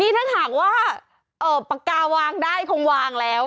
ถ้าหากว่าปากกาวางได้คงวางแล้ว